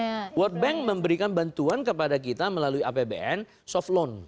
belle irvine world bank memberikan bantuan kepada kita melalui apbn softloan